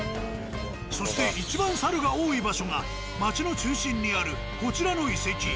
そしていちばん猿が多い場所が町の中心にあるこちらの遺跡。